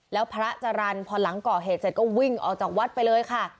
แล้วพระจรรย์พอหลังก่อเหตุเสร็จก็วิ่งออกจากวัดไปเลยค่ะ